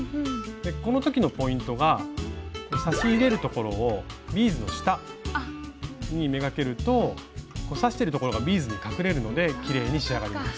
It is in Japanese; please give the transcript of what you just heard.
この時のポイントが刺し入れるところをビーズの下に目がけると刺してるところがビーズに隠れるのできれいに仕上がります。